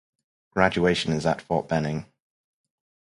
Graduation is at Fort Benning.